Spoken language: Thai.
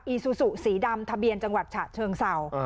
อิซุสู่สีดำทะเบียนจฉเชิงเสา